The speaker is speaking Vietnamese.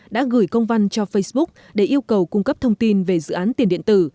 đã gửi công văn cho facebook để yêu cầu cung cấp thông tin về dự án tiền điện tử